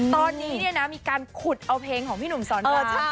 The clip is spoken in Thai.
ตอนนี้มีการขุดเอาเพลงของพี่นุมสอนไป